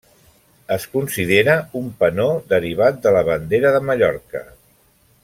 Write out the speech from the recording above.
Es considera un penó derivat de la bandera de Mallorca.